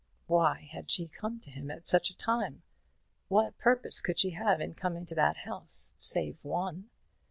Why had she come to him at such a time? What purpose could she have in coming to that house, save one?